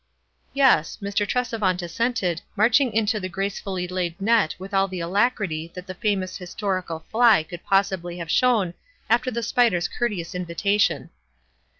Yes ; Mr. Tresevant assented, marching into the gracefully laid net with all the alacrity that the famous historical fly could possibly have shown after the spider's courteous invitation.